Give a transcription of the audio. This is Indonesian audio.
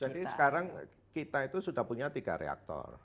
jadi sekarang kita itu sudah punya tiga reaktor